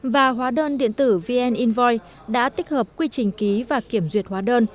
và hóa đơn điện tử vn invoice đã tích hợp quy trình ký và kiểm duyệt hóa đơn